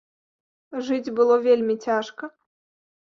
Жыць было вельмі цяжка.